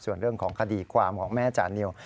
ส่วนเรื่องของคดีความของแม่จานิว